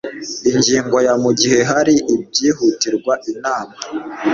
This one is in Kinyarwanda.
ingingo ya mu gihe hari ibyihutirwa inama